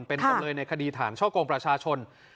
เป็นจำเลยในคดีฐานช่อกงประชาชน